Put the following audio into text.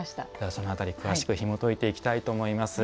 その辺り詳しくひもといていきたいと思います。